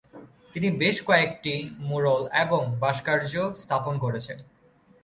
তিনি বেশ কয়েকটি ম্যুরাল এবং ভাস্কর্য স্থাপন করেছেন।